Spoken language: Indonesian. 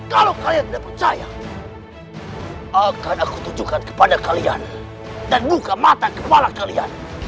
kalau kalian tidak percaya akan aku tunjukkan kepada kalian dan buka mata kepala kalian